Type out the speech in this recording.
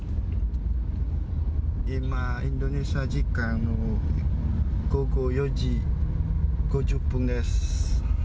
今、インドネシア時間午後４時５０分です。